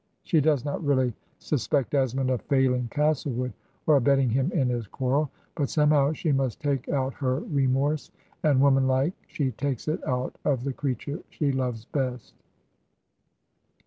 She does not really sus pect Esmond of failing Castlewood or abetting him in his quarrel; but somehow she must take out her re morse, and woman like she takes it out of the creature she loves best.